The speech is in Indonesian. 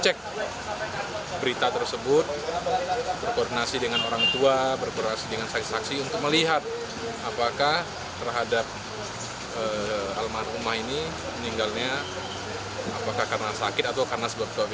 apakah karena sakit atau karena sebuah kebaikan lainnya